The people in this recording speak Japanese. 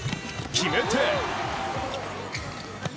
決めて！